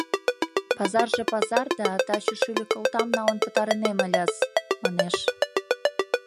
— Пазарже пазар да, таче шӱльӧ кылтам налын пытарынем ыльыс! — манеш.